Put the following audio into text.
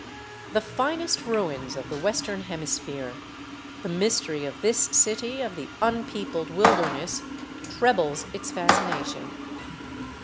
The finest ruins of the Western Hemisphere, the mystery of this city of the unpeopled wilderness trebles its fascination.